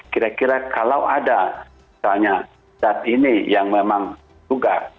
kira kira kalau ada misalnya zat ini yang memang juga